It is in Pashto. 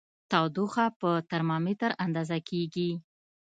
تودوخه په ترمامیتر اندازه کېږي.